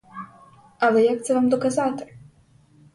Але як це вам доказати?